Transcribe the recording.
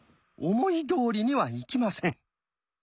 思いどおりにはいきません。